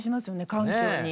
環境に。